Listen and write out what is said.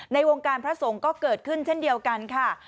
วงการพระสงฆ์ก็เกิดขึ้นเช่นเดียวกันค่ะ